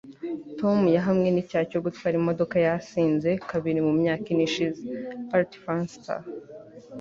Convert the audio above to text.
tom yahamwe n'icyaha cyo gutwara imodoka yasinze kabiri mu myaka ine ishize. (artfanster